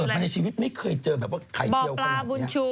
พี่เกิดไปในชีวิตไม่เคยเจอแบบว่าไข่เจียวขนาดนี้บ่ปลาบุญชู